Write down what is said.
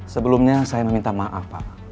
sebelumnya saya meminta maaf pak